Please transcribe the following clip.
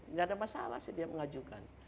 nggak ada masalah sih dia mengajukan